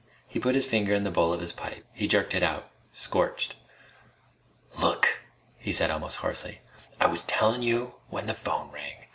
He put his finger in the bowl of his pipe. He jerked it out, scorched. "Look!" he said almost hoarsely, "I was tellin' you when the phone rang!